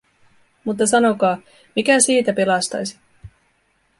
Mutta sanokaa, mikä siitä pelastaisi?